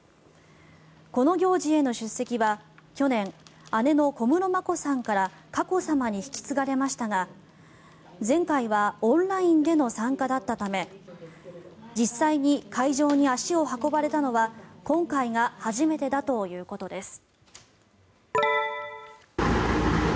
この行事への出席は去年、姉の小室眞子さんから佳子さまに引き継がれましたが前回はオンラインでの参加だったため実際に会場に足を運ばれたのは今回が初めてだということです。